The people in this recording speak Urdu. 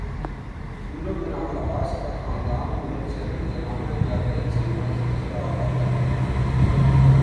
"عمروبن العاص کا خاندان "بنوسہم"زمانہ جاہلیت سے معزز چلا آتا تھا"